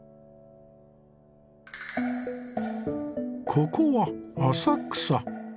ここは浅草。